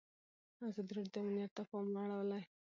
ازادي راډیو د امنیت ته پام اړولی.